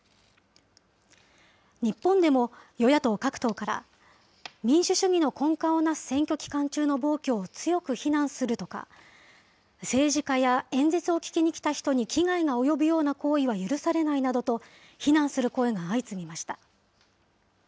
日本でも、与野党各党から、民主主義の根幹をなす選挙期間中の暴挙を強く非難するとか、政治家や演説を聞きに来た人に危害が及ぶような行為は許されないなどと、非難する声が相次ぎました。